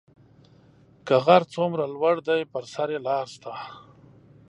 که غر څومره لوړ دی پر سر یې لار شته